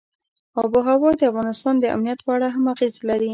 آب وهوا د افغانستان د امنیت په اړه هم اغېز لري.